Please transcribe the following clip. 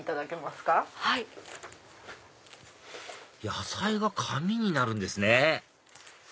野菜が紙になるんですね